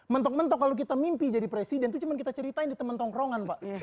mentok mentok kalau kita mimpi jadi presiden itu cuma kita ceritain di temen tongkrongan pak